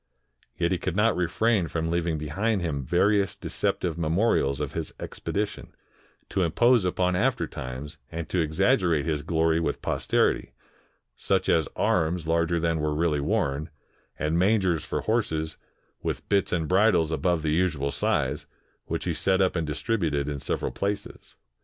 Yet he could not refrain from leaving behind him various deceptive memorials of his expedition, to impose upon after times, and to exaggerate his glory with posterity, such as arms larger than were really worn, and mangers for horses, with bits of bridles above the usual size, which he set up and distributed in several places.